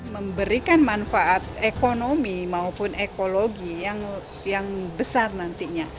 memberikan manfaat ekonomi maupun ekologi yang besar nantinya